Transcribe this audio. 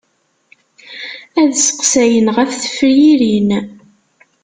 Ad seqsayen ɣef tefyirin.